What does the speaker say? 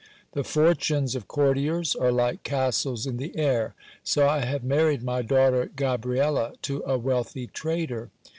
The fortunes of courtiers are like castles in the air : so I have married my daughter Gabriela to a wealthy trader.